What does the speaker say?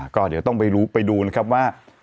ก็เดี๋ยวต้องไปดูนะครับว่า